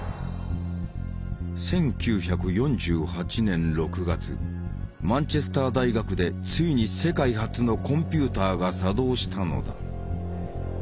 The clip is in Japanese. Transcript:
１９４８年６月マンチェスター大学でついに世界初のコンピューターが作動したのだ。